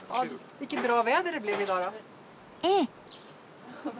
ええ。